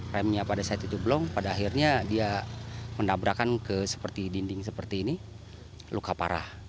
remnya pada saat itu blong pada akhirnya dia mendabrakan ke seperti dinding seperti ini luka parah